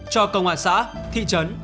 cho công an xã thị trấn